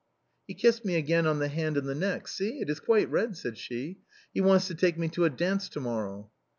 " He kissed me again on the hand and the neck ; see it is quite red," said she. " He wants to take me to a dance to morrow."